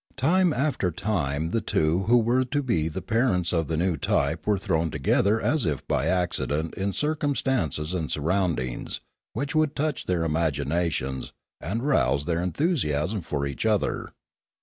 Time after time the two who were to be the parents of the new type were thrown together as if by accident in circumstances and surroundings which would touch their imaginations and rouse their enthusiasm for each other.